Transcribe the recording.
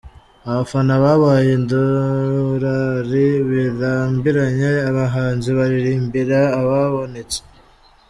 Abafana ’babaye idolari’ birambiranye abahanzi baririmbira ababonetse.